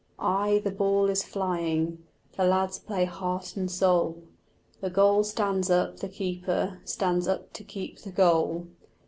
Ay, the ball is flying, The lads play heart and soul; The goal stands up, the keeper Stands up to keep the goal.